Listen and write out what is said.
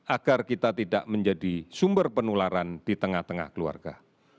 agar kita tidak menjadi sumber penularan di tengah tengah keluarga